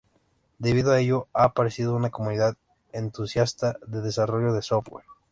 Debido a ello, ha aparecido una comunidad entusiasta de desarrollo de software.